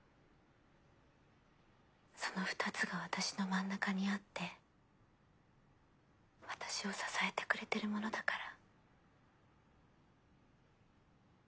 その二つが私の真ん中にあって私を支えてくれてるものだから。